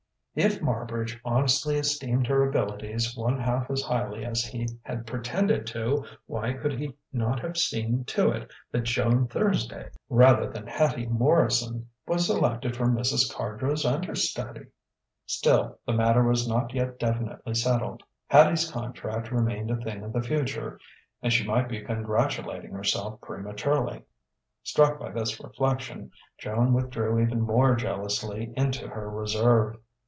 If Marbridge honestly esteemed her abilities one half as highly as he had pretended to, why could he not have seen to it that Joan Thursday rather than Hattie Morrison was selected for Mrs. Cardrow's understudy? Still, the matter was not yet definitely settled. Hattie's contract remained a thing of the future, and she might be congratulating herself prematurely. Struck by this reflection, Joan withdrew even more jealously into her reserve....